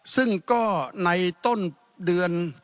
ซึ่งก็ในต้นเดือน